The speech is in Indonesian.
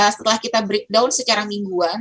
setelah kita breakdown secara mingguan